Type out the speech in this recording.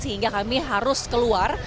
sehingga kami harus keluar